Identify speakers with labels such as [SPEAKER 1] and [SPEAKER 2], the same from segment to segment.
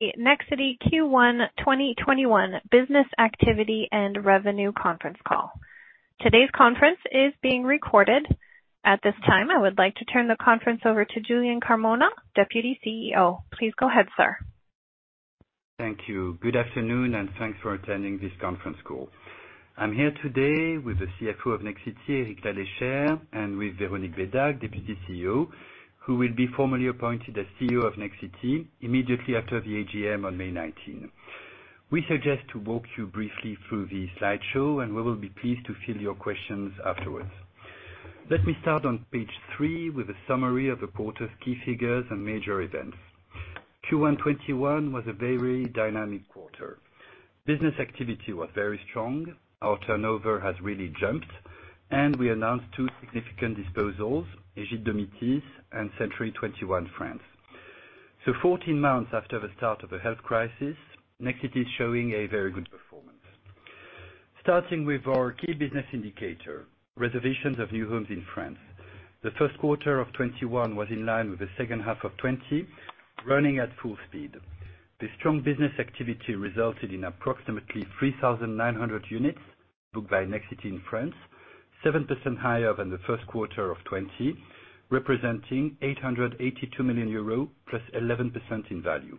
[SPEAKER 1] The Nexity Q1 2021 business activity and revenue conference call. Today's conference is being recorded. At this time, I would like to turn the conference over to Julien Carmona, Deputy CEO. Please go ahead, sir.
[SPEAKER 2] Thank you. Good afternoon, and thanks for attending this conference call. I'm here today with the CFO of Nexity, Eric Laleychère, and with Véronique Bédague, Deputy CEO, who will be formally appointed as CEO of Nexity immediately after the AGM on May 19. We suggest to walk you briefly through the slideshow, we will be pleased to field your questions afterwards. Let me start on page three with a summary of the quarter's key figures and major events. Q1 2021 was a very dynamic quarter. Business activity was very strong. Our turnover has really jumped, we announced two significant disposals, Ægide-Domitys and Century 21 France. 14 months after the start of the health crisis, Nexity is showing a very good performance. Starting with our key business indicator, reservations of new homes in France. The first quarter of 2021 was in line with the second half of 2020, running at full speed. The strong business activity resulted in approximately 3,900 units booked by Nexity in France, 7% higher than the first quarter of 2020, representing €882 million, +11% in value.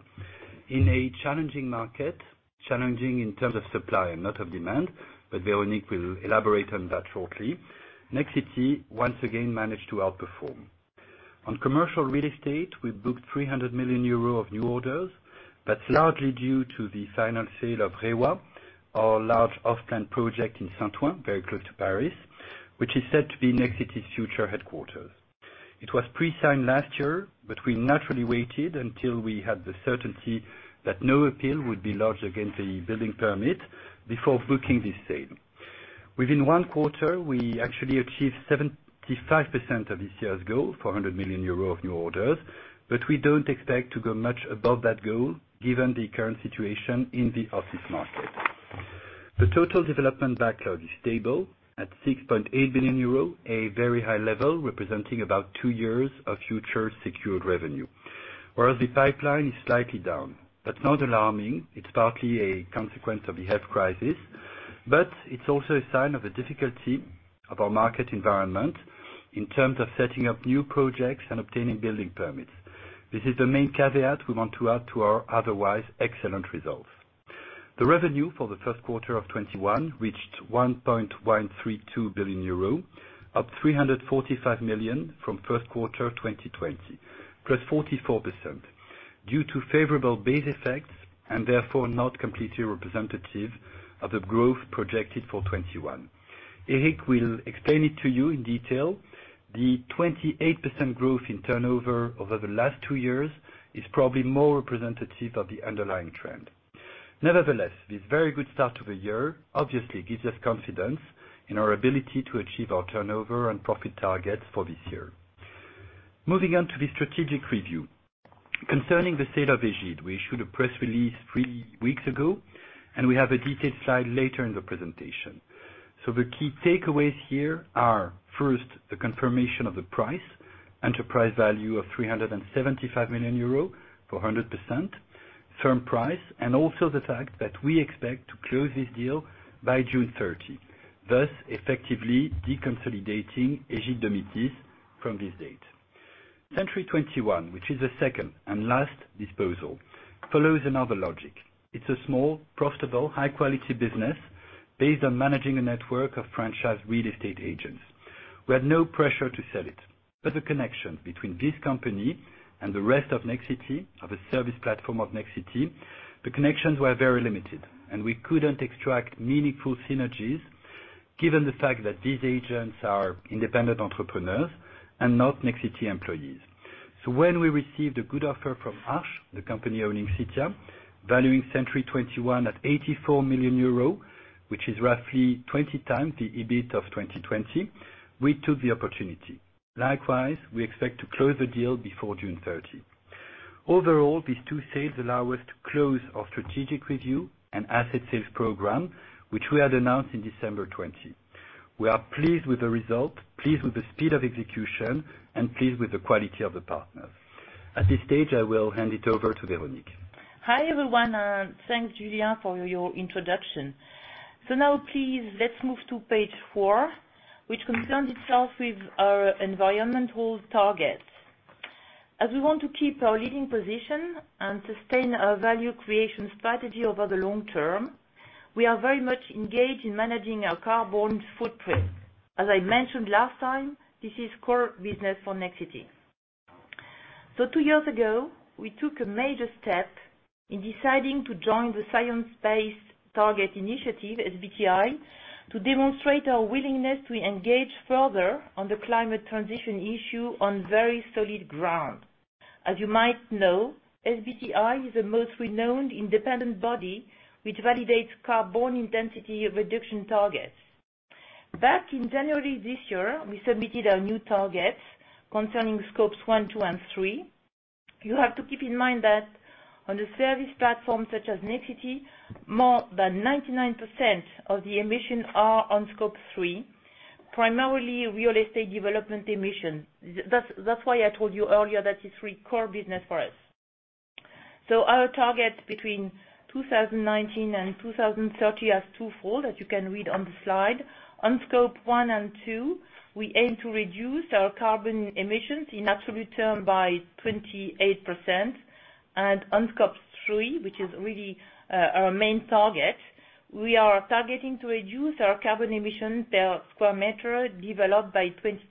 [SPEAKER 2] In a challenging market, challenging in terms of supply and not of demand, Véronique will elaborate on that shortly, Nexity once again managed to outperform. On commercial real estate, we booked €300 million of new orders. That's largely due to the final sale of Reiwa, our large off-plan project in Saint-Ouen, very close to Paris, which is set to be Nexity's future headquarters. It was pre-signed last year, but we naturally waited until we had the certainty that no appeal would be lodged against the building permit before booking this sale. Within one quarter, we actually achieved 75% of this year's goal, 400 million euro of new orders. We don't expect to go much above that goal given the current situation in the office market. The total development backlog is stable at 6.8 billion euro, a very high level, representing about two years of future secured revenue. The pipeline is slightly down, but not alarming. It's partly a consequence of the health crisis, but it's also a sign of the difficulty of our market environment in terms of setting up new projects and obtaining building permits. This is the main caveat we want to add to our otherwise excellent results. The revenue for the first quarter of 2021 reached 1.132 billion euro, up 345 million from first quarter 2020, +44%, due to favorable base effects and therefore not completely representative of the growth projected for 2021. Eric will explain it to you in detail. The 28% growth in turnover over the last two years is probably more representative of the underlying trend. Nevertheless, this very good start to the year obviously gives us confidence in our ability to achieve our turnover and profit targets for this year. Moving on to the strategic review. Concerning the sale of Ægide, we issued a press release three weeks ago, and we have a detailed slide later in the presentation. The key takeaways here are, first, the confirmation of the price, enterprise value of 375 million euro for 100%, firm price, and also the fact that we expect to close this deal by June 30, thus effectively deconsolidating Ægide-Domitys from this date. Century 21, which is the second and last disposal, follows another logic. It's a small, profitable, high-quality business based on managing a network of franchise real estate agents. We had no pressure to sell it, but the connection between this company and the rest of Nexity, of the service platform of Nexity, the connections were very limited, and we couldn't extract meaningful synergies given the fact that these agents are independent entrepreneurs and not Nexity employees. When we received a good offer from Arche, the company owning Citya, valuing Century 21 at 84 million euro, which is roughly 20x the EBIT of 2020, we took the opportunity. Likewise, we expect to close the deal before June 30. Overall, these two sales allow us to close our strategic review and asset sales program, which we had announced in December 2020. We are pleased with the result, pleased with the speed of execution, and pleased with the quality of the partners. At this stage, I will hand it over to Véronique.
[SPEAKER 3] Thanks, Julien, for your introduction. Now please, let's move to page four, which concerns itself with our environmental targets. As we want to keep our leading position and sustain our value creation strategy over the long term, we are very much engaged in managing our carbon footprint. As I mentioned last time, this is core business for Nexity. Two years ago, we took a major step in deciding to join the Science-Based Targets initiative, SBTi, to demonstrate our willingness to engage further on the climate transition issue on very solid ground. As you might know, SBTi is the most renowned independent body which validates carbon intensity of reduction targets. Back in January this year, we submitted our new targets concerning Scopes 1, 2, and 3. You have to keep in mind that on a service platform such as Nexity, more than 99% of the emissions are on Scope 3. Primarily real estate development emission. That's why I told you earlier that it's three core business for us. Our target between 2019 and 2030 are twofold, as you can read on the slide. On Scope 1 and 2, we aim to reduce our carbon emissions in absolute term by 28%, and on Scope 3, which is really our main target, we are targeting to reduce our carbon emission per square meter developed by 22%.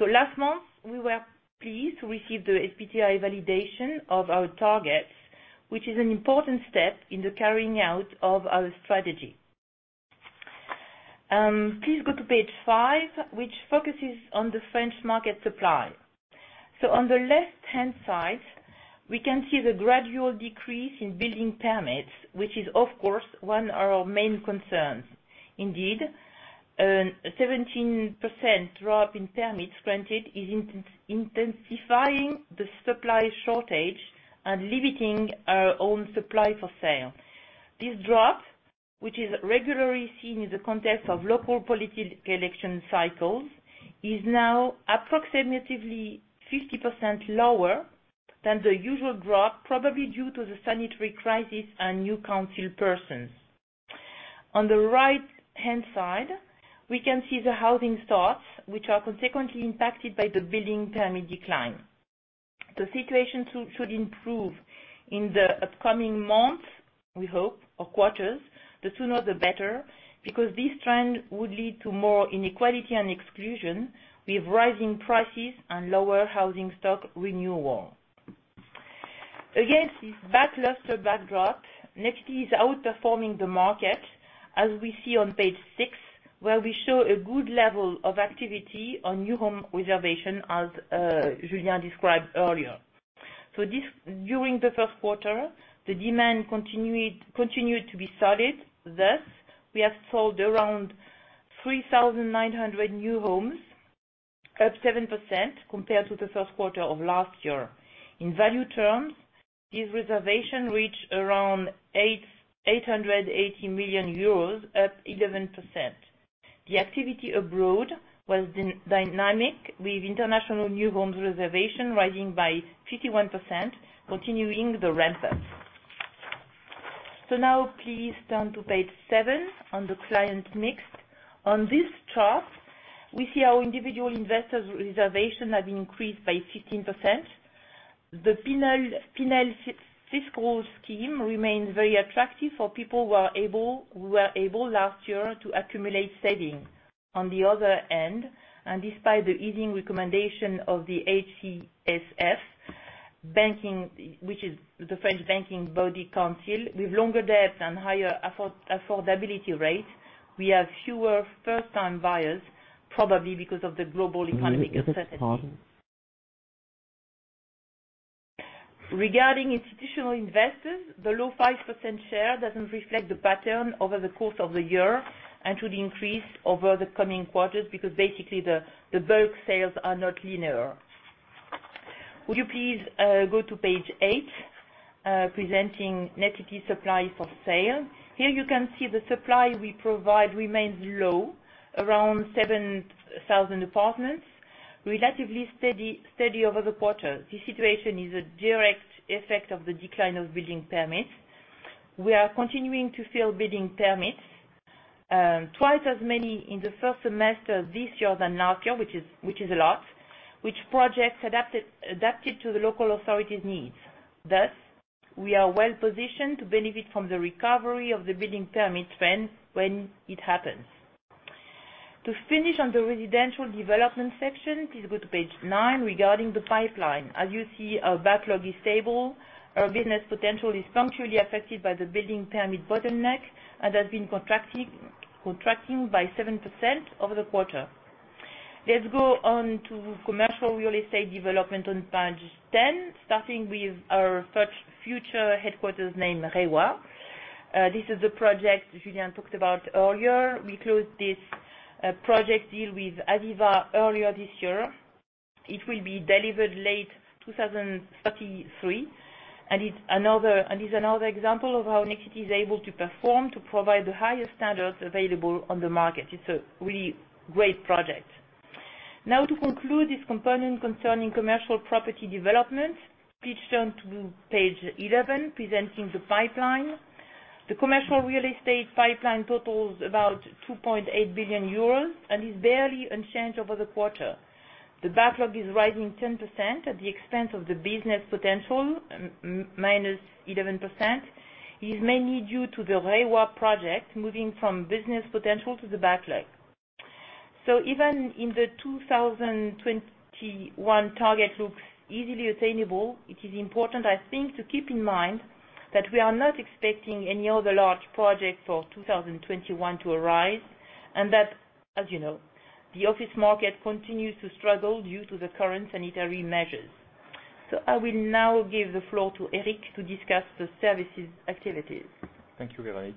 [SPEAKER 3] Last month, we were pleased to receive the SBTi validation of our targets, which is an important step in the carrying out of our strategy. Please go to page five, which focuses on the French market supply. On the left-hand side, we can see the gradual decrease in building permits, which is, of course, one of our main concerns. Indeed, a 17% drop in permits granted is intensifying the supply shortage and limiting our own supply for sale. This drop, which is regularly seen in the context of local political election cycles, is now approximately 50% lower than the usual drop, probably due to the sanitary crisis and new council persons. On the right-hand side, we can see the housing starts, which are consequently impacted by the building permit decline. The situation should improve in the upcoming months, we hope, or quarters. The sooner, the better, because this trend would lead to more inequality and exclusion, with rising prices and lower housing stock renewal. Against this lackluster backdrop, Nexity is outperforming the market, as we see on page six, where we show a good level of activity on new home reservation as Julien described earlier. During the first quarter, the demand continued to be solid. Thus, we have sold around 3,900 new homes, up 7% compared to the first quarter of last year. In value terms, this reservation reached around 880 million euros, up 11%. The activity abroad was dynamic, with international new homes reservation rising by 51%, continuing the ramp-up. Now please turn to page seven on the client mix. On this chart, we see how individual investors reservation have increased by 15%. The Pinel fiscal scheme remains very attractive for people who were able last year to accumulate savings. On the other end, and despite the easing recommendation of the HCSF, which is the French banking body council. With longer debt and higher affordability rate, we have fewer first-time buyers, probably because of the global economic uncertainty. Regarding institutional investors, the low 5% share doesn't reflect the pattern over the course of the year, and should increase over the coming quarters because basically the bulk sales are not linear. Would you please go to page eight, presenting Nexity supply for sale. Here you can see the supply we provide remains low, around 7,000 apartments, relatively steady over the quarter. This situation is a direct effect of the decline of building permits. We are continuing to fill building permits, twice as many in the first semester this year than last year, which is a lot, with projects adapted to the local authority's needs. Thus, we are well-positioned to benefit from the recovery of the building permit trend when it happens. To finish on the residential development section, please go to page nine regarding the pipeline. As you see, our backlog is stable. Our business potential is punctually affected by the building permit bottleneck and has been contracting by 7% over the quarter. Let's go on to commercial real estate development on page 10, starting with our such future headquarters named Reiwa. This is the project Julien talked about earlier. We closed this project deal with Aviva earlier this year. It will be delivered late 2033, and is another example of how Nexity is able to perform to provide the highest standards available on the market. It's a really great project. Now to conclude this component concerning commercial property development, please turn to page 11 presenting the pipeline. The commercial real estate pipeline totals about 2.8 billion euros and is barely unchanged over the quarter. The backlog is rising 10% at the expense of the business potential, -11%. It is mainly due to the Reiwa project, moving from business potential to the backlog. Even in the 2021 target looks easily attainable, it is important, I think, to keep in mind that we are not expecting any other large project for 2021 to arise, and that, as you know, the office market continues to struggle due to the current sanitary measures. I will now give the floor to Eric to discuss the services activities.
[SPEAKER 4] Thank you, Véronique.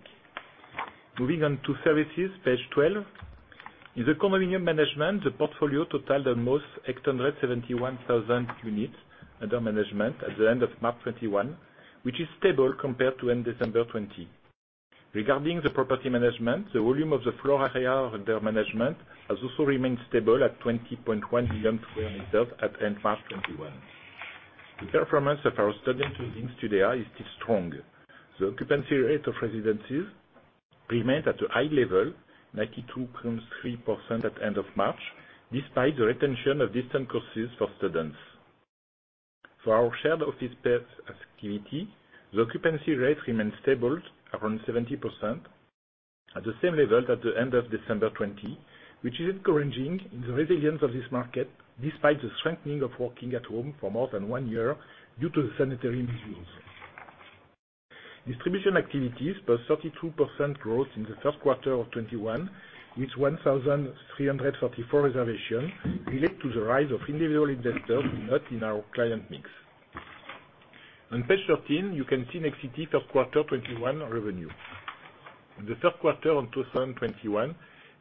[SPEAKER 4] Moving on to services, page 12. In the condominium management, the portfolio totaled almost 871,000 units under management at the end of March 2021. Which is stable compared to end December 2020. Regarding the property management, the volume of the floor area under management has also remained stable at 20.1 million sq m at end March 2021. The performance of our student housing, Studéa, is still strong. The occupancy rate of residences remained at a high level, 92.3% at end of March, despite the retention of distant courses for students. For our shared office space activity, the occupancy rate remains stable around 70%, at the same level at the end of December 2020, which is encouraging in the resilience of this market despite the strengthening of working at home for more than one year due to the sanitary measures. Distribution activities saw 32% growth in the first quarter of 2021, with 1,344 reservations, relate to the rise of individual investors, not in our client mix. On page 13, you can see Nexity first quarter 2021 revenue. In the third quarter of 2021,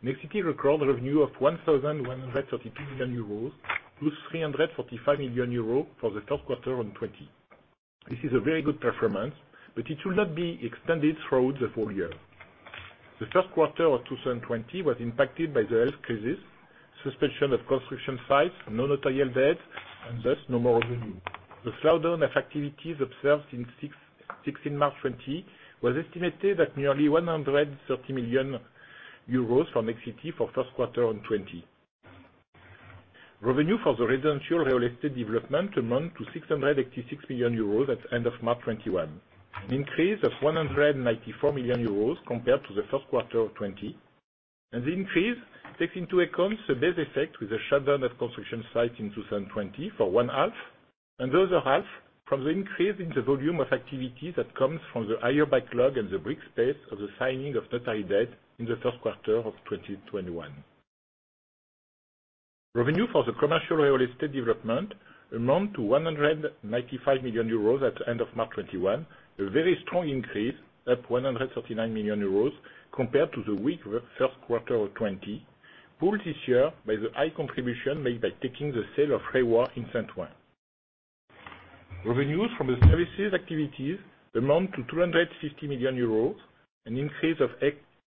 [SPEAKER 4] Nexity recorded revenue of 1,132 million euros, plus 345 million euros for the third quarter in 2020. This is a very good performance, but it will not be extended throughout the full year. The first quarter of 2020 was impacted by the health crisis, suspension of construction sites, no notarial deeds, and thus, no more revenue. The slowdown of activities observed since March 16, 2020 was estimated at nearly 130 million euros from Nexity for first quarter in 2020. Revenue for the residential real estate development amount to 686 million euros at end of March 2021, an increase of 194 million euros compared to the first quarter of 2020. The increase takes into account the base effect with the shutdown of construction sites in 2020 for one half, and the other half, from the increase in the volume of activity that comes from the higher backlog and the brisk space of the signing of notary debt in the first quarter of 2021. Revenue for the commercial real estate development amount to 195 million euros at the end of March 2021, a very strong increase, up 139 million euros, compared to the weak first quarter of 2020, pulled this year by the high contribution made by taking the sale of Reiwa in Saint-Ouen. Revenues from the services activities amount to 350 million euros, an increase of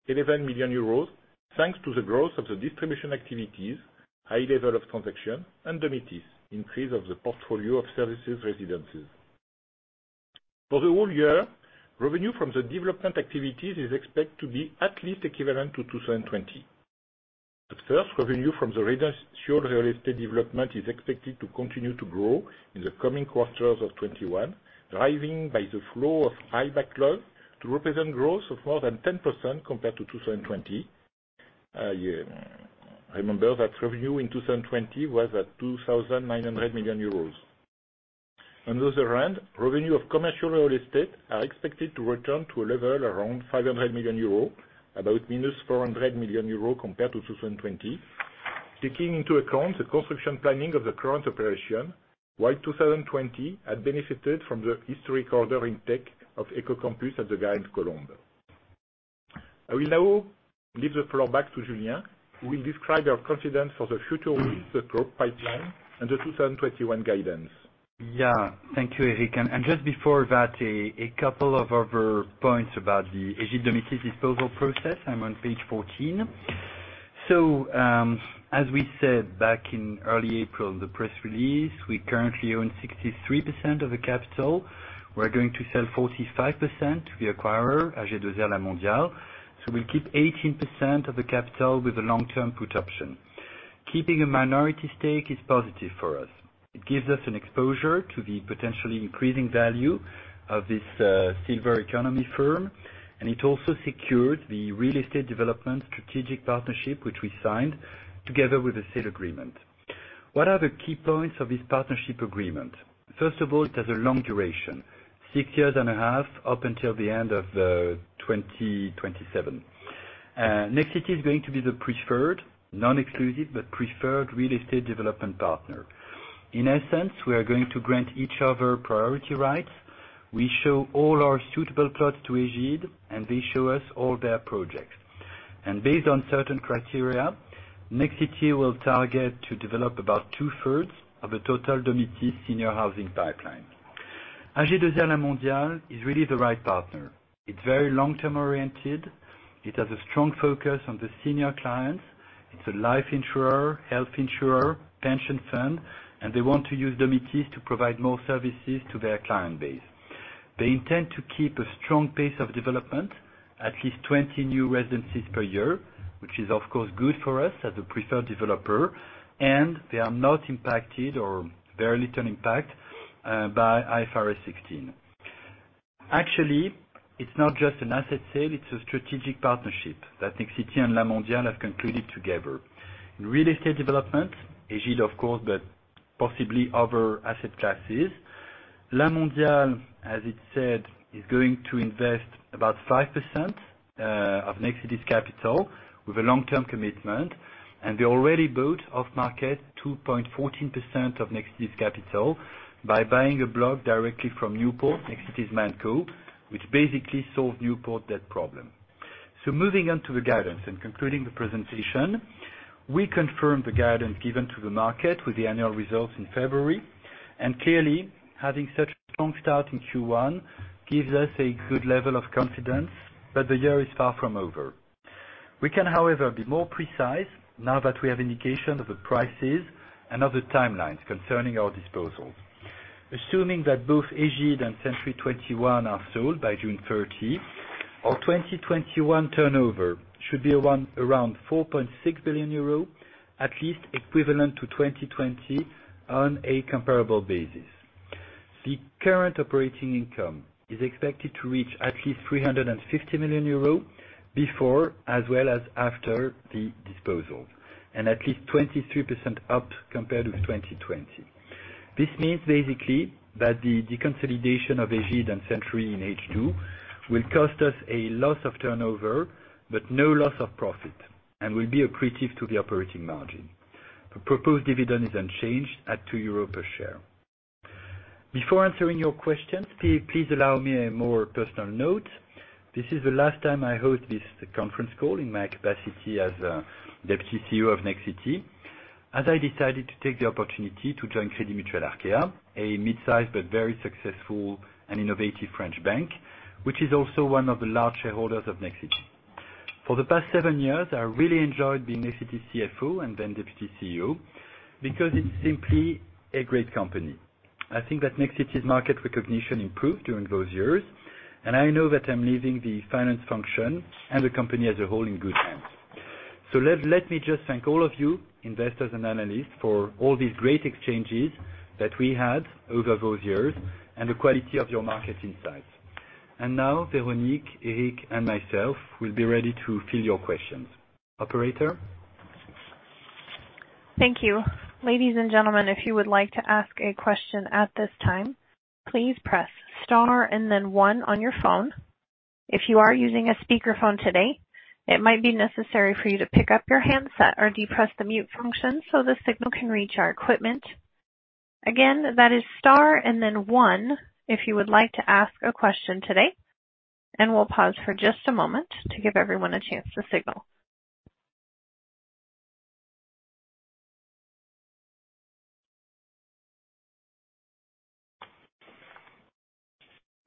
[SPEAKER 4] 11 million euros, thanks to the growth of the distribution activities, high level of transaction, and Domitys, increase of the portfolio of services residences. For the whole year, revenue from the development activities is expected to be at least equivalent to 2020. At first, revenue from the residential real estate development is expected to continue to grow in the coming quarters of 2021, driving by the flow of high backlog to represent growth of more than 10% compared to 2020. Remember that revenue in 2020 was at 2,900 million euros. On the other hand, revenue of commercial real estate are expected to return to a level around 500 million euro, about minus 400 million euro compared to 2020, taking into account the construction planning of the current operation, while 2020 had benefited from the historic order intake of Eco Campus at the La Garenne-Colombes. I will now give the floor back to Julien, who will describe our confidence for the future with the pro pipeline and the 2021 guidance.
[SPEAKER 2] Thank you, Eric. Just before that, a couple of other points about the Ægide-Domitys disposal process. I'm on page 14. As we said back in early April, the press release, we currently own 63% of the capital. We're going to sell 45% to the acquirer, AG2R La Mondiale. We'll keep 18% of the capital with a long-term put option. Keeping a minority stake is positive for us. It gives us an exposure to the potentially increasing value of this silver economy firm, it also secured the real estate development strategic partnership, which we signed together with the sale agreement. What are the key points of this partnership agreement? First of all, it has a long duration, six years and a 1/2 up until the end of 2027. Nexity is going to be the preferred, non-exclusive, but preferred real estate development partner. In essence, we are going to grant each other priority rights. We show all our suitable plots to Ægide, they show us all their projects. Based on certain criteria, Nexity will target to develop about two-thirds of the total Domitys senior housing pipeline. AG2R La Mondiale is really the right partner. It's very long-term oriented. It has a strong focus on the senior clients. It's a life insurer, health insurer, pension fund, they want to use Domitys to provide more services to their client base. They intend to keep a strong pace of development, at least 20 new residencies per year, which is, of course, good for us as a preferred developer, they are not impacted or very little impact by IFRS 16. Actually, it's not just an asset sale, it's a strategic partnership that Nexity and La Mondiale have concluded together. In real estate development, Ægide, of course, but possibly other asset classes. La Mondiale, as it said, is going to invest about 5% of Nexity's capital with a long-term commitment, and they already bought off market 2.14% of Nexity's capital by buying a block directly from Newport, Nexity's ManCo, which basically solved NewPort debt problem. Moving on to the guidance and concluding the presentation, we confirm the guidance given to the market with the annual results in February. Clearly, having such a strong start in Q1 gives us a good level of confidence, but the year is far from over. We can, however, be more precise now that we have indication of the prices and of the timelines concerning our disposals. Assuming that both Ægide and Century 21 are sold by June 30, our 2021 turnover should be around 4.6 billion euros, at least equivalent to 2020 on a comparable basis. The current operating income is expected to reach at least 350 million euros before, as well as after, the disposals, and at least 23% up compared with 2020. This means basically that the deconsolidation of Ægide and Century in H2 will cost us a loss of turnover, but no loss of profit and will be accretive to the operating margin. The proposed dividend is unchanged at 2 euros per share. Before answering your questions, please allow me a more personal note. This is the last time I host this conference call in my capacity as Deputy CEO of Nexity, as I decided to take the opportunity to join Crédit Mutuel Arkéa, a mid-size but very successful and innovative French bank, which is also one of the large shareholders of Nexity. For the past seven years, I really enjoyed being Nexity CFO and then Deputy CEO, because it's simply a great company. I think that Nexity's market recognition improved during those years, and I know that I'm leaving the finance function and the company as a whole in good hands. Let me just thank all of you, investors and analysts, for all these great exchanges that we had over those years and the quality of your market insights. Now, Véronique, Eric, and myself will be ready to field your questions. Operator?
[SPEAKER 1] Thank you. Ladies and gentlemen, if you would like to ask a question at this time, please press star and then one on your phone. If you are using a speakerphone today, it might be necessary for you to pick up your handset or depress the mute function so the signal can reach our equipment. Again, that is star and then one if you would like to ask a question today. We'll pause for just a moment to give everyone a chance to signal.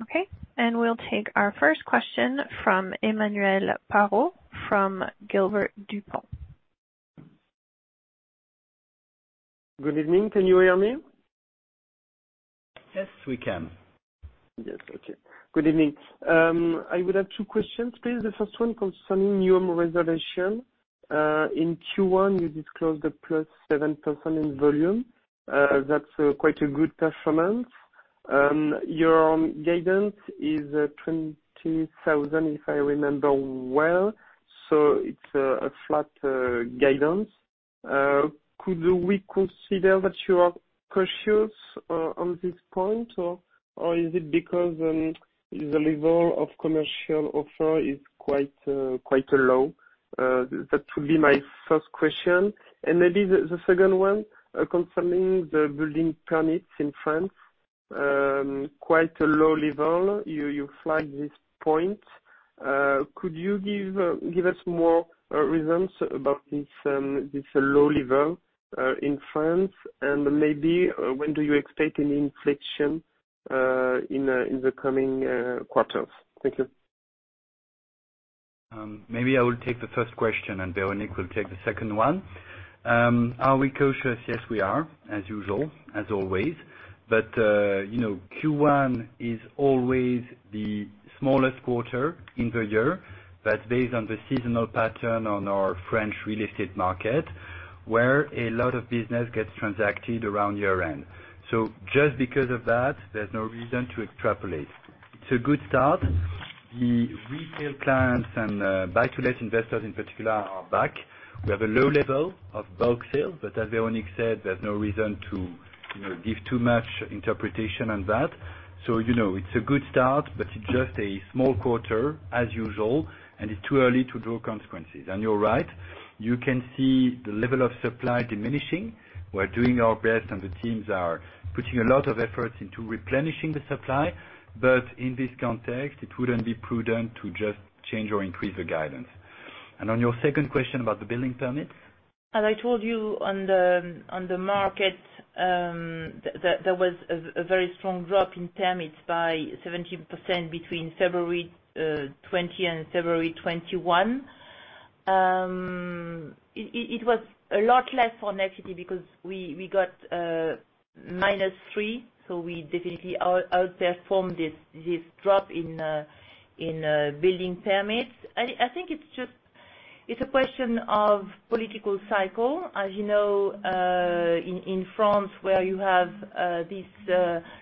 [SPEAKER 1] Okay, we'll take our first question from Emmanuel Parot from Gilbert Dupont.
[SPEAKER 5] Good evening. Can you hear me?
[SPEAKER 2] Yes, we can.
[SPEAKER 5] Yes. Okay. Good evening. I would have two questions, please. The first one concerning your reservation. In Q1, you disclosed the +7% in volume. That's quite a good performance. Your guidance is 20,000, if I remember well. It's a flat guidance. Could we consider that you are cautious on this point, or is it because the level of commercial offer is quite low? That would be my first question. Maybe the second one, concerning the building permits in France. Quite a low level. You flagged this point. Could you give us more reasons about this low level in France, and maybe, when do you expect an inflection in the coming quarters? Thank you.
[SPEAKER 2] Maybe I will take the first question, and Véronique will take the second one. Are we cautious? Yes, we are, as usual, as always. Q1 is always the smallest quarter in the year. That's based on the seasonal pattern on our French real estate market, where a lot of business gets transacted around year-end. Just because of that, there's no reason to extrapolate. It's a good start. The retail clients and buy-to-let investors in particular are back. We have a low level of bulk sales, but as Véronique said, there's no reason to give too much interpretation on that. It's a good start, but it's just a small quarter as usual, and it's too early to draw consequences. You're right, you can see the level of supply diminishing. We're doing our best, and the teams are putting a lot of effort into replenishing the supply. In this context, it wouldn't be prudent to just change or increase the guidance. On your second question about the building permits?
[SPEAKER 3] As I told you on the market, there was a very strong drop in permits by 17% between February 2020 and February 2021. It was a lot less for Nexity because we got -3, so we definitely outperformed this drop in building permits. I think it's a question of political cycle. As you know, in France, where you have these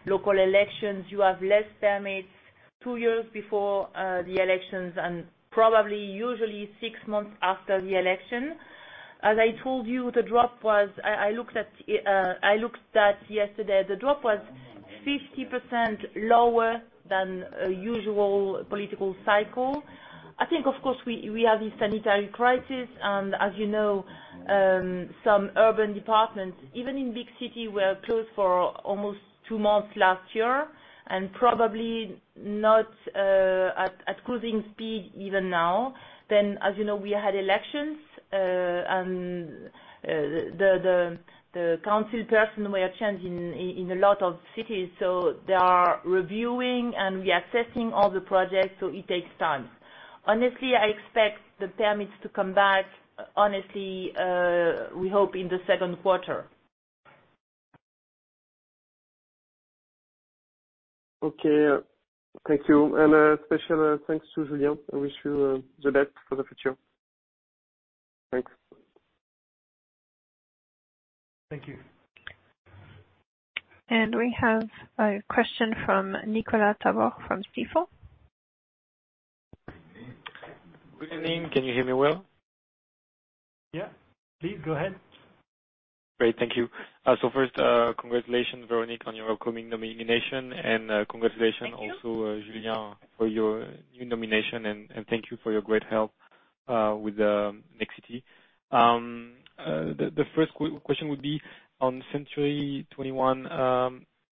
[SPEAKER 3] local elections, you have less permits two years before the elections and probably usually six months after the election. As I told you, I looked at yesterday, the drop was 50% lower than a usual political cycle. I think, of course, we have this sanitary crisis, and as you know, some urban departments, even in big city, were closed for almost two months last year and probably not at cruising speed even now. As you know, we had elections, and the council person were changed in a lot of cities. They are reviewing, and we are testing all the projects, so it takes time. Honestly, I expect the permits to come back, honestly, we hope in the second quarter.
[SPEAKER 5] Okay. Thank you. Special thanks to Julien. I wish you the best for the future. Thanks.
[SPEAKER 2] Thank you.
[SPEAKER 1] We have a question from Nicolas Tabor from Stifel.
[SPEAKER 6] Good evening. Can you hear me well?
[SPEAKER 2] Yeah. Please go ahead.
[SPEAKER 6] Great. Thank you. First, congratulations, Véronique, on your upcoming nomination.
[SPEAKER 3] Thank you
[SPEAKER 6] Julien, for your new nomination, thank you for your great help with Nexity. The first question would be on Century 21.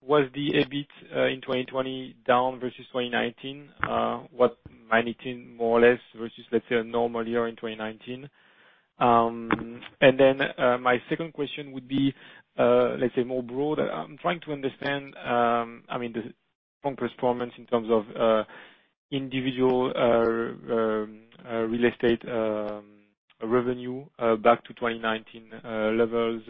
[SPEAKER 6] Was the EBIT in 2020 down versus 2019? What, 2019, more or less versus let's say a normal year in 2019? My second question would be, let's say more broad. I'm trying to understand, the strong performance in terms of individual real estate revenue back to 2019 levels,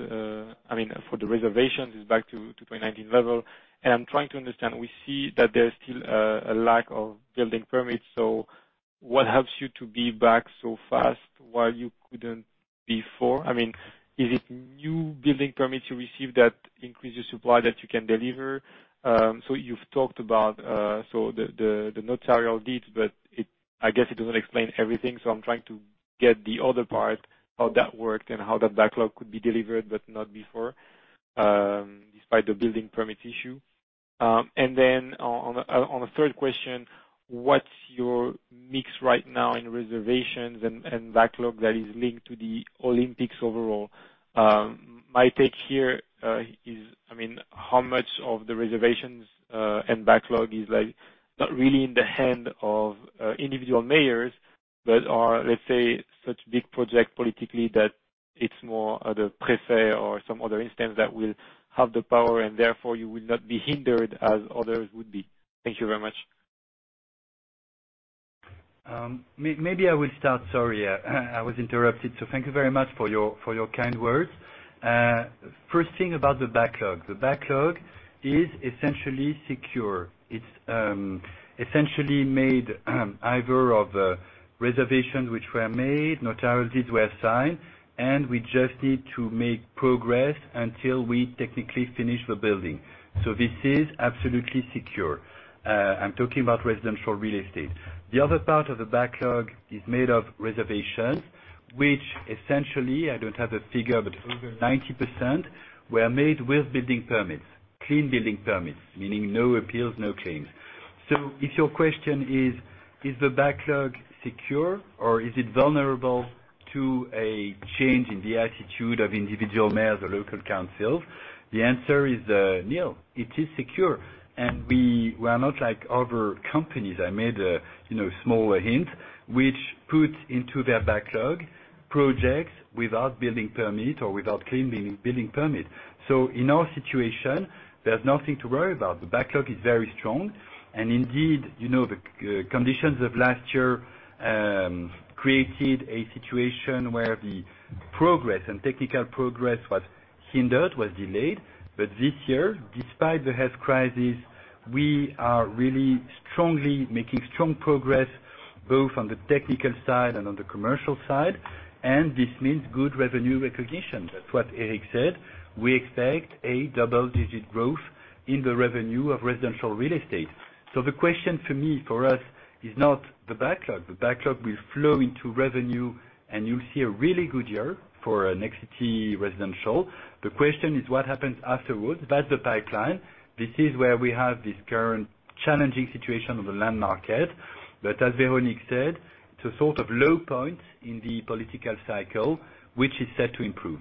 [SPEAKER 6] for the reservations is back to 2019 level. I'm trying to understand, we see that there is still a lack of building permits, what helps you to be back so fast while you couldn't before? Is it new building permits you received that increase the supply that you can deliver? You've talked about the notarial deeds, but I guess it doesn't explain everything, so I'm trying to get the other part, how that worked and how that backlog could be delivered, but not before, despite the building permits issue. Then, on a third question, what's your mix right now in reservations and backlog that is linked to the Olympics overall? My take here is how much of the reservations and backlog is not really in the hand of individual mayors, but are, let's say, such big project politically that it's more other préfet or some other instance that will have the power, and therefore, you will not be hindered as others would be. Thank you very much.
[SPEAKER 2] Maybe I will start. Sorry, I was interrupted. Thank you very much for your kind words. First thing about the backlog. The backlog is essentially secure. It's essentially made either of reservations which were made, notarized, were signed, and we just need to make progress until we technically finish the building. This is absolutely secure. I'm talking about residential real estate. The other part of the backlog is made of reservations, which essentially, I don't have a figure, but over 90%, were made with building permits. Clean building permits, meaning no appeals, no claims. If your question is the backlog secure, or is it vulnerable to a change in the attitude of individual mayors or local councils? The answer is, no, it is secure. We are not like other companies. I made a smaller hint, which put into their backlog projects without building permit or without clean building permit. In our situation, there's nothing to worry about. The backlog is very strong. Indeed, the conditions of last year created a situation where the progress and technical progress was hindered, was delayed. This year, despite the health crisis, we are really making strong progress, both on the technical side and on the commercial side, and this means good revenue recognition. That's what Eric said. We expect a double-digit growth in the revenue of residential real estate. The question for me, for us, is not the backlog. The backlog will flow into revenue, and you'll see a really good year for Nexity Residential. The question is what happens afterwards? That's the pipeline. This is where we have this current challenging situation on the land market. As Véronique said, it's a sort of low point in the political cycle, which is set to improve.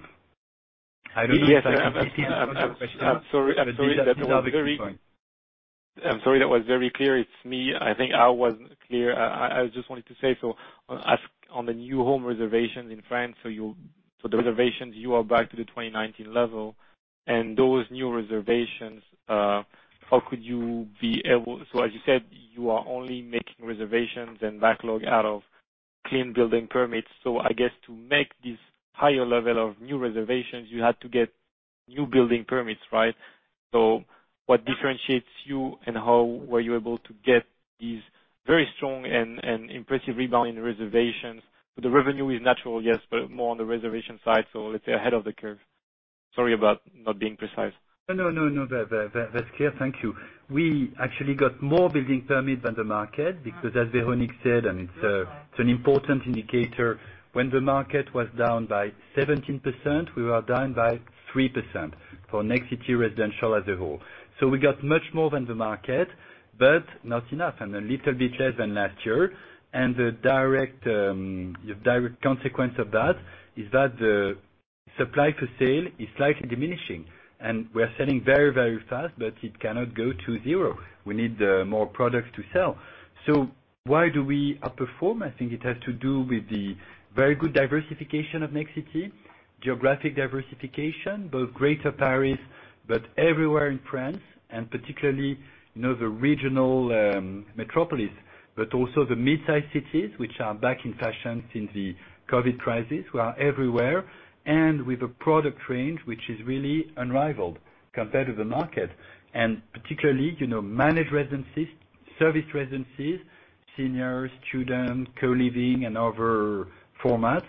[SPEAKER 2] I don't know if I answered your question.
[SPEAKER 6] I'm sorry. That was very clear. It's me. I think I wasn't clear. I just wanted to say, on the new home reservations in France, the reservations, you are back to the 2019 level and those new reservations. As you said, you are only making reservations and backlog out of clean building permits. I guess to make this higher level of new reservations, you had to get new building permits, right? What differentiates you and how were you able to get these very strong and impressive rebound in reservations? The revenue is natural, yes, more on the reservation side, let's say ahead of the curve. Sorry about not being precise.
[SPEAKER 2] No, that's clear. Thank you. We actually got more building permit than the market because as Véronique said, and it's an important indicator, when the market was down by 17%, we were down by 3% for Nexity Residential as a whole. We got much more than the market, but not enough and a little bit less than last year. The direct consequence of that is that Supply for sale is slightly diminishing, and we are selling very, very fast, but it cannot go to zero. We need more products to sell. Why do we outperform? I think it has to do with the very good diversification of Nexity, geographic diversification, both Greater Paris, but everywhere in France, and particularly, the regional metropolis, but also the mid-size cities, which are back in fashion since the COVID crisis, who are everywhere, and with a product range, which is really unrivaled compared to the market. Particularly, managed residencies, serviced residencies, senior, student, co-living, and other formats,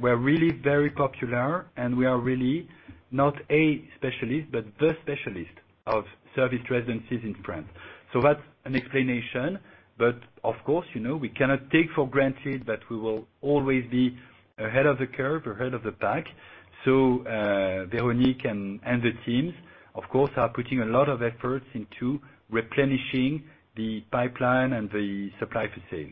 [SPEAKER 2] were really very popular, and we are really not a specialist, but the specialist of serviced residencies in France. That's an explanation. Of course, we cannot take for granted that we will always be ahead of the curve or ahead of the pack. Véronique and the teams, of course, are putting a lot of efforts into replenishing the pipeline and the supply for sale.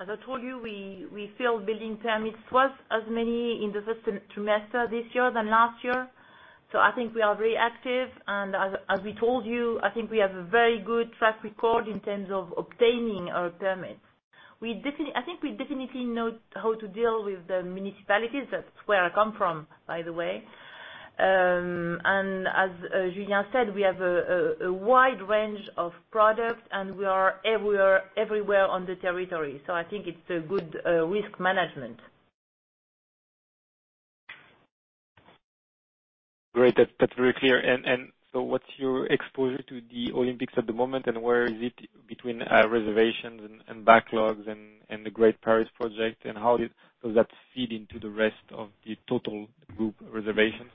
[SPEAKER 3] As I told you, we filed building permits twice as many in the first trimester this year than last year. I think we are very active, and as we told you, I think we have a very good track record in terms of obtaining our permits. I think we definitely know how to deal with the municipalities. That's where I come from, by the way. As Julien said, we have a wide range of products, and we are everywhere on the territory, so I think it's a good risk management.
[SPEAKER 6] Great. That's very clear. What's your exposure to the Olympics at the moment, and where is it between reservations and backlogs and the Great Paris project, and how does that feed into the rest of the total group reservations?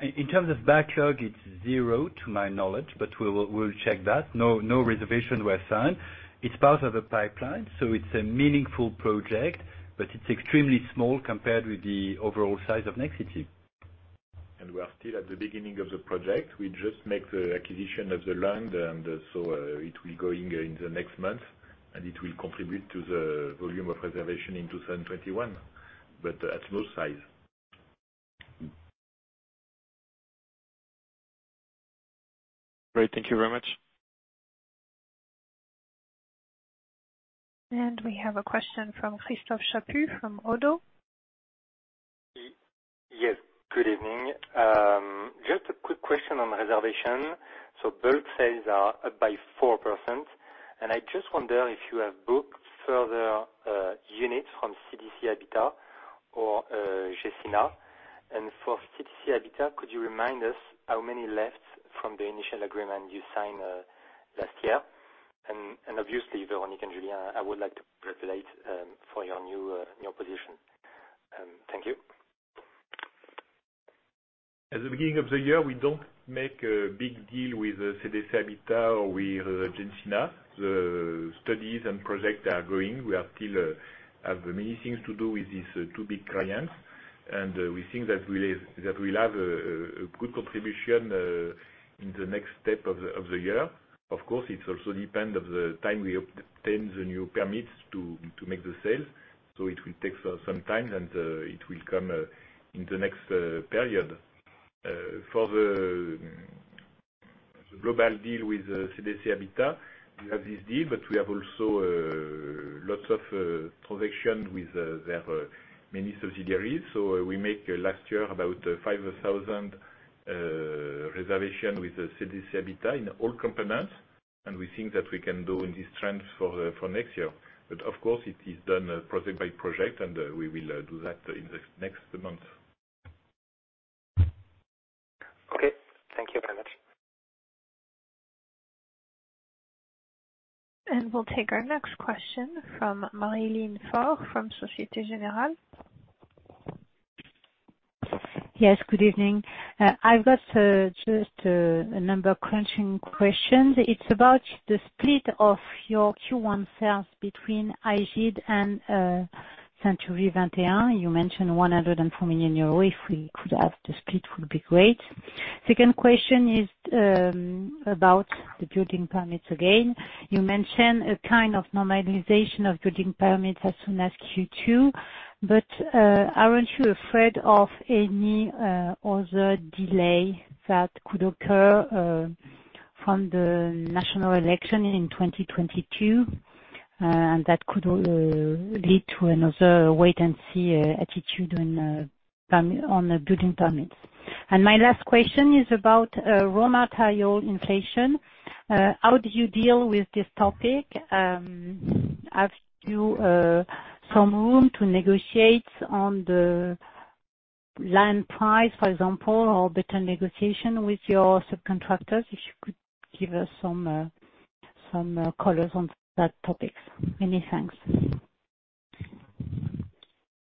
[SPEAKER 2] In terms of backlog, it's zero to my knowledge, but we'll check that. No reservation were signed. It's part of a pipeline, so it's a meaningful project, but it's extremely small compared with the overall size of Nexity.
[SPEAKER 4] We are still at the beginning of the project. We just make the acquisition of the land. It will be going in the next month, and it will contribute to the volume of reservation in 2021, but at no size.
[SPEAKER 6] Great. Thank you very much.
[SPEAKER 1] We have a question from Christophe Chapuis from Oddo.
[SPEAKER 7] Yes. Good evening. Just a quick question on reservation. Bulk sales are up by 4%, and I just wonder if you have booked further units from CDC Habitat or Gecina. For CDC Habitat, could you remind us how many left from the initial agreement you signed last year? Obviously, Véronique and Julien, I would like to congratulate for your new position. Thank you.
[SPEAKER 4] At the beginning of the year, we don't make a big deal with CDC Habitat or with Gecina. The studies and project are growing. We still have many things to do with these two big clients, and we think that we'll have a good contribution, in the next step of the year. Of course, it also depend of the time we obtain the new permits to make the sale, so it will take some time, and it will come in the next period. For the global deal with CDC Habitat, we have this deal, but we have also lots of transaction with their many subsidiaries. We make last year about 5,000 reservation with CDC Habitat in all components, and we think that we can do in this trend for next year. Of course, it is done project by project, and we will do that in the next month.
[SPEAKER 7] Okay. Thank you very much.
[SPEAKER 1] We'll take our next question from Marie-Line Fauré from Société Générale.
[SPEAKER 8] Yes, good evening. I've got just a number crunching questions. It's about the split of your Q1 sales between Ægide and Century 21. You mentioned 104 million euros. If we could have the split, would be great. Second question is about the building permits again. You mentioned a kind of normalization of building permits as soon as Q2, aren't you afraid of any other delay that could occur from the national election in 2022, and that could lead to another wait and see attitude on the building permits. My last question is about raw material inflation. How do you deal with this topic? Have you some room to negotiate on the land price, for example, or better negotiation with your subcontractors? If you could give us some colors on that topics. Many thanks.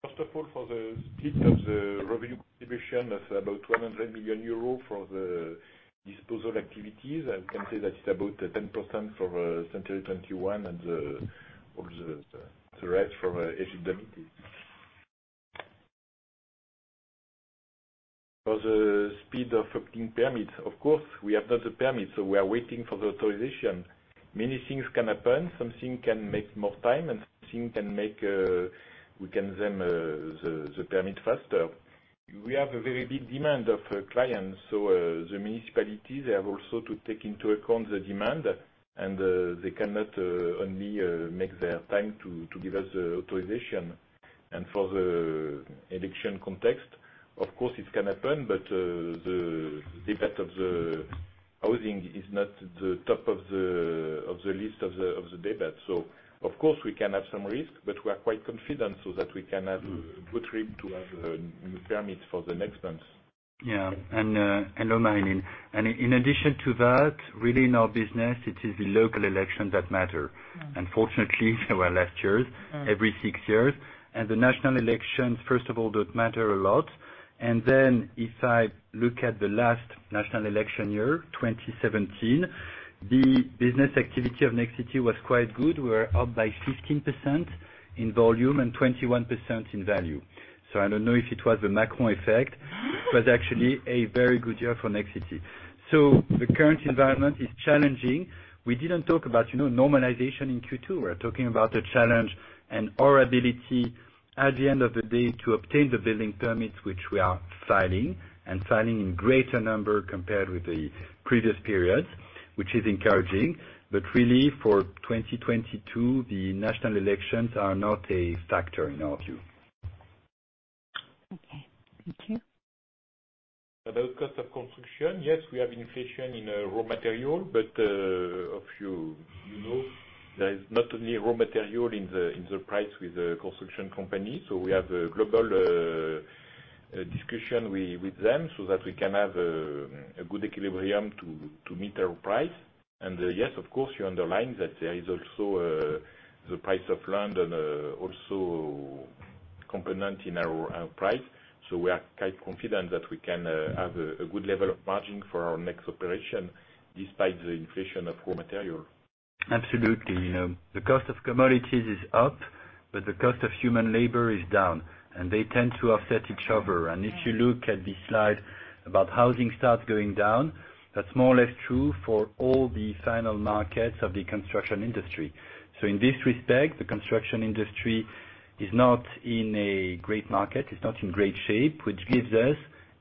[SPEAKER 4] First of all, for the split of the revenue contribution of about 100 million euros for the disposal activities, I can say that it's about 10% for Century 21 and all the rest for Ægide. For the speed of obtaining permits, of course, we have not the permit, so we are waiting for the authorization. Many things can happen. Something can make more time, and something can make we get them, the permit, faster. We have a very big demand of clients. The municipality, they have also to take into account the demand, and they cannot only make their time to give us the authorization. For the election context, of course, it can happen, but the debate of the housing is not the top of the list of the debate. Of course, we can have some risk, but we are quite confident so that we can have a good rhythm to have the new permits for the next months.
[SPEAKER 2] Yeah. Hello, Marie-Line Fauré. In addition to that, really, in our business, it is the local elections that matter. Fortunately, they were last year's, every six years. The national elections, first of all, don't matter a lot. If I look at the last national election year, 2017, the business activity of Nexity was quite good. We were up by 15% in volume and 21% in value. I don't know if it was the Macron effect, but actually, a very good year for Nexity. The current environment is challenging. We didn't talk about normalization in Q2. We're talking about the challenge and our ability, at the end of the day, to obtain the building permits which we are filing, and filing in greater number compared with the previous periods, which is encouraging. Really, for 2022, the national elections are not a factor in our view.
[SPEAKER 8] Okay. Thank you.
[SPEAKER 4] About cost of construction, yes, we have inflation in raw material, but if you know, there is not only raw material in the price with the construction company. We have a global discussion with them so that we can have a good equilibrium to meet our price. Yes, of course, you underline that there is also the price of land and also component in our price. We are quite confident that we can have a good level of margin for our next operation despite the inflation of raw material.
[SPEAKER 2] Absolutely. The cost of commodities is up, but the cost of human labor is down, and they tend to offset each other. If you look at the slide about housing starts going down, that's more or less true for all the final markets of the construction industry. In this respect, the construction industry is not in a great market. It's not in great shape, which gives us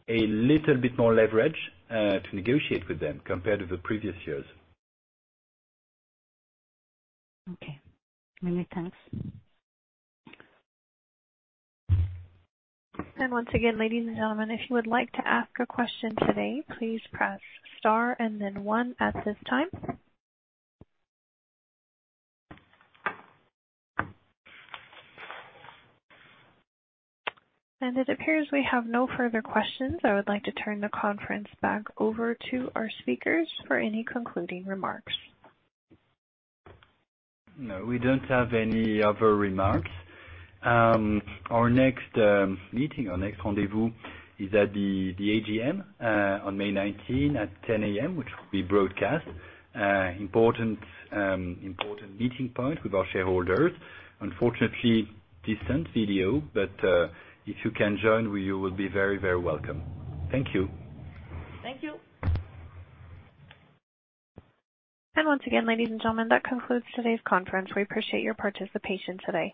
[SPEAKER 2] a little bit more leverage to negotiate with them compared with the previous years.
[SPEAKER 8] Okay. Many thanks.
[SPEAKER 1] Once again, ladies and gentlemen, if you would like to ask a question today, please press star and then one at this time. It appears we have no further questions. I would like to turn the conference back over to our speakers for any concluding remarks.
[SPEAKER 2] No, we don't have any other remarks. Our next meeting, our next rendezvous, is at the AGM on May 19 at 10:00 A.M., which will be broadcast. Important meeting point with our shareholders. Unfortunately, distant video, but if you can join, you will be very welcome. Thank you.
[SPEAKER 3] Thank you.
[SPEAKER 1] Once again, ladies and gentlemen, that concludes today's conference. We appreciate your participation today.